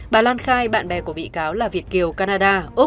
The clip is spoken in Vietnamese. bà lan khai bạn bè của bị cáo là việt kiều canada úc